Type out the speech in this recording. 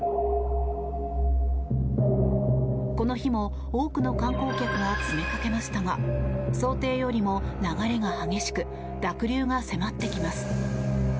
この日も多くの観光客が詰めかけましたが想定よりも流れが激しく濁流が迫ってきます。